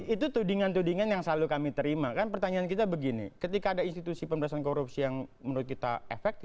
itu tudingan tudingan yang selalu kami terima kan pertanyaan kita begini ketika ada institusi pemberantasan korupsi yang menurut kita efektif